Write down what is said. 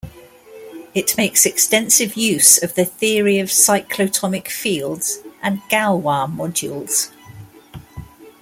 It makes extensive use of the theory of cyclotomic fields and Galois modules.